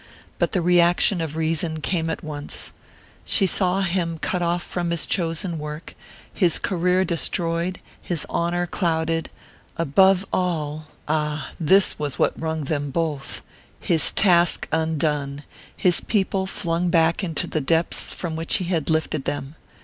But the reaction of reason came at once she saw him cut off from his chosen work, his career destroyed, his honour clouded, above all ah, this was what wrung them both! his task undone, his people flung back into the depths from which he had lifted them.